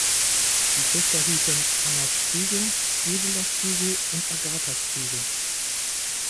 Die Töchter hießen Anna Strigel, Ursula Strigel und Agatha Strigel.